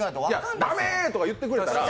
ダメーとか言ってくれたら。